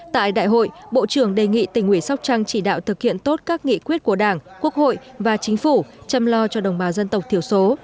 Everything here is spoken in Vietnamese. tại đại hội bộ trưởng đề nghị tỉnh ủy sóc trăng chỉ đạo thực hiện tốt các nghị quyết của đảng quốc hội và chính phủ chăm lo cho đồng bào dân tộc thiểu số